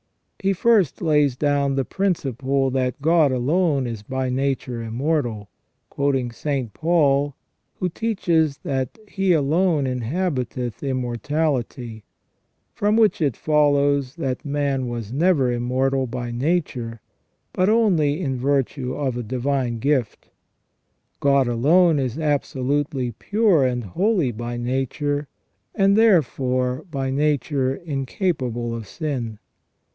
He first lays down the principle that God alone is by nature immortal, quoting St. Paul, who teaches that He " alone inhabiteth immortality," from which it follows that man was never immortal by nature, but only in virtue of a divine gift. God alone is absolutely pure and holy by nature, and therefore by nature incapable of sin.